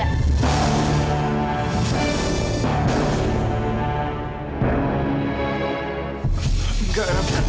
tapi gak ada perbedaan